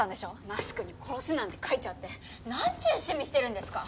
マスクに「殺す」なんて書いちゃってなんちゅう趣味してるんですか？